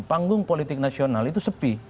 panggung politik nasional itu sepi